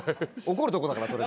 怒るとこだから。